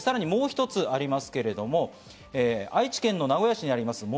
さらにもう一つありますけど、愛知県の名古屋市にあります